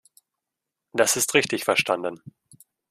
Das ist richtig verstanden.